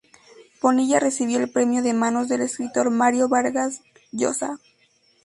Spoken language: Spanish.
Bonilla recibió el premio de manos del escritor Mario Vargas Llosa.